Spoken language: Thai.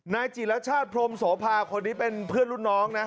นายจิรชาติพรมโสภาคนนี้เป็นเพื่อนรุ่นน้องนะ